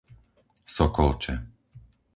Sokolče